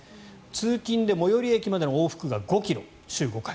通勤で最寄り駅までの往復が５ｋｍ、週５回。